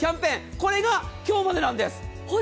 これが今日までなんです。